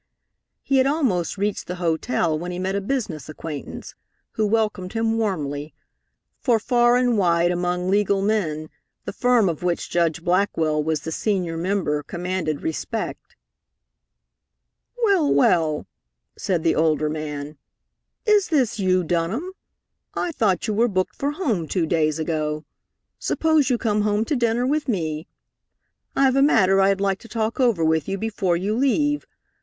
He had almost reached the hotel when he met a business acquaintance, who welcomed him warmly, for far and wide among legal men the firm of which Judge Blackwell was the senior member commanded respect. "Well, well!" said the older man. "Is this you, Dunham? I thought you were booked for home two days ago. Suppose you come home to dinner with me. I've a matter I'd like to talk over with you before you leave.